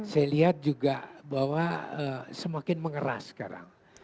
saya lihat juga bahwa semakin mengeras sekarang